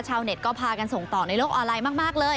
ชาวเน็ตก็พากันส่งต่อในโลกออนไลน์มากเลย